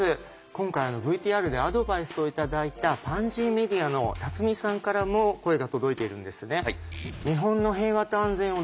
今回ＶＴＲでアドバイスを頂いたパンジーメディアの辰己さんからも声が届いているんですね。